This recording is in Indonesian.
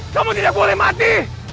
kamu tidak boleh mati